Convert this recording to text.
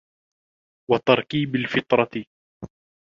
وَتَرْكِيبِ الْفِطْرَةِ